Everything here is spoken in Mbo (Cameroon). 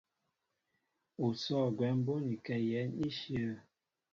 Ú sɔ̂ gwɛm bónikɛ yɛ̌n íshyə̂.